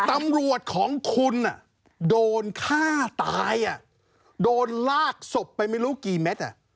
ตำรวจของคุณโดนฆ่าตายโดนลากศพไปไม่รู้กี่เม็ด